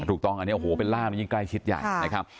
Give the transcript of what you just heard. ถูกต้องอันนี้โอ้โหเป็นล่ามนี่ยิ่งใกล้ชิดใหญ่นะครับ